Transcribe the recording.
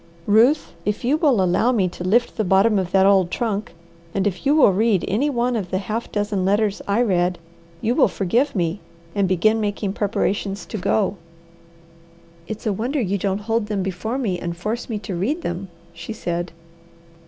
"Ruth, if you will allow me to lift the bottom of that old trunk, and if you will read any one of the half dozen letters I read, you will forgive me, and begin making preparations to go." "It's a wonder you don't hold them before me and force me to read them," she said.